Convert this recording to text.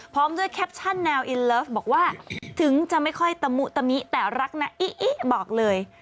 พร้อมด้วยแคปชั่นแนวอินเลิฟบอกว่าถึงจะไม่ค่อยตะมุตะมิแต่รักนะอิอิ๊บอกเลย